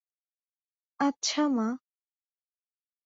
আচ্ছা, মা।